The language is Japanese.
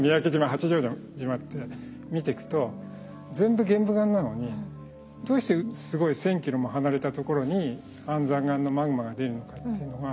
八丈島って見てくと全部玄武岩なのにどうしてすごい１，０００ｋｍも離れたところに安山岩のマグマが出るのかっていうのが。